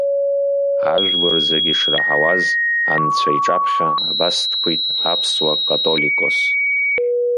Ажәлар зегьы ишраҳауаз Анцәа иҿаԥхьа абас дқәит Аԥсуа католикос.